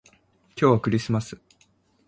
今日はクリスマス